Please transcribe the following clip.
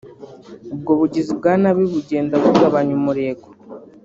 ubwo bugizi bwa nabi bugenda bugabanya umurego